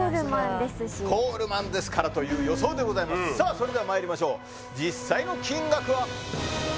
それではまいりましょう実際の金額は？